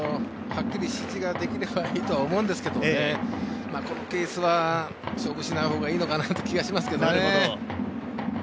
はっきり指示ができればいいと思うんですけどこのケースはオスナの方がいいのかなという気はしますけどね。